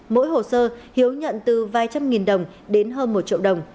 mỗi hồ sơ hiếu nhận từ vài trăm nghìn đồng đến hơn một triệu đồng